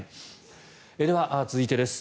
では、続いてです。